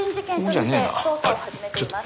あっちょっと。